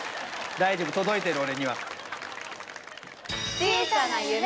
大丈夫届いてる俺には。